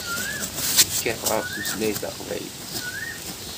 Tekkat ɣef tutlayt taqbaylit.